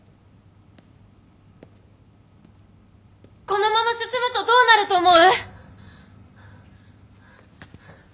・このまま進むとどうなると思う？